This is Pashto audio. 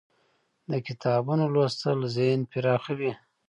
د کتابونو لوستل ذهن پراخوي.